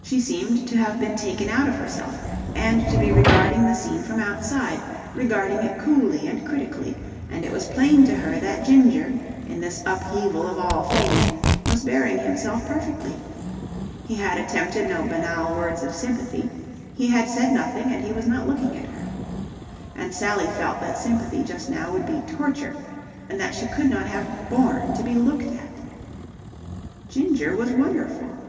She seemed to have been taken out of herself and to be regarding the scene from outside, regarding it coolly and critically; and it was plain to her that Ginger, in this upheaval of all things, was bearing himself perfectly. He had attempted no banal words of sympathy. He had said nothing and he was not looking at her. And Sally felt that sympathy just now would be torture, and that she could not have borne to be looked at. Ginger was wonderful.